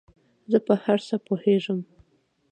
زۀ په هر څه پوهېږم